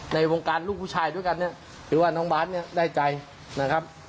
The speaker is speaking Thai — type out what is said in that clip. ในวงการลูกผู้ชายด้วยกันเนี่ยหรือว่าน้องบาทเนี่ยได้ใจนะครับ